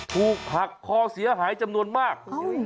ถูกหักคอเสียหายจำนวนมาก